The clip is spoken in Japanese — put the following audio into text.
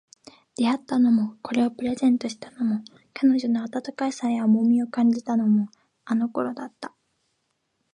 出会ったのも、これをプレゼントしたのも、彼女の温かさや重みを感じたのも、あの頃だった